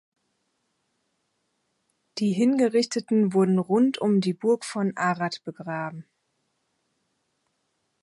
Die Hingerichteten wurden rund um die Burg von Arad begraben.